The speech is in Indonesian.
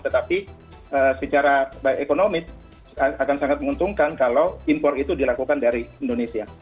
tetapi secara ekonomis akan sangat menguntungkan kalau impor itu dilakukan dari indonesia